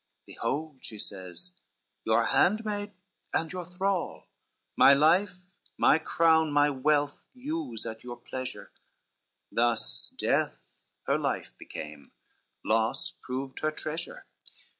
"Behold," she says, "your handmaid and your thrall: My life, my crown, my wealth use at your pleasure;" Thus death her life became, loss proved her treasure.